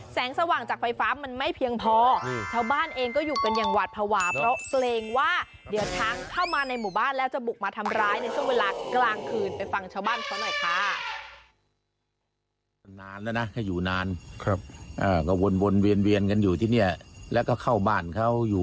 แสงสว่างจากไฟฟ้ามันไม่เพียงพอชาวบ้านเองก็อยู่กันอย่างหวาดภาวะ